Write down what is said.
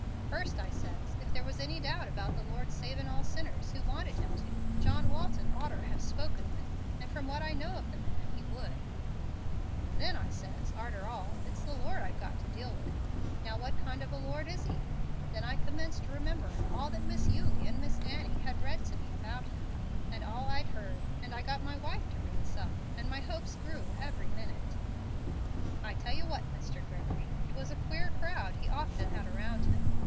First I says, if there was any doubt about the Lord savin' all sinners who wanted Him to, John Walton orter have spoken of it, and from what I know of the man he would. Then I says, arter all, it's the Lord I've got to deal with. Now what kind of a Lord is He? Then I commenced rememberin' all that Miss Eulie and Miss Annie had read to me about Him, and all I'd heard, and I got my wife to read some, and my hopes grew every minute. I tell you what, Mr. Gregory, it was a queer crowd He often had around Him.